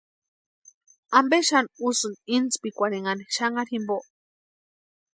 ¿Ampe xani usïni intspikwarhinhani xanharhu jimpo?